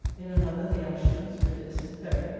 In another the Ashtons, with this, "Heri."